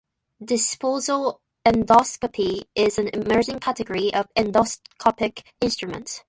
Disposable endoscopy is an emerging category of endoscopic instruments.